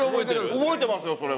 覚えてますよそれは。